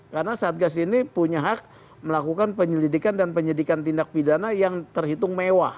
karena satgas ini punya hak melakukan penyelidikan dan penyedikan tindak pidana yang terhitung mewah